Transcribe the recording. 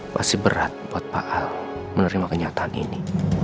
masih berat buat pak al menerima kenyataan ini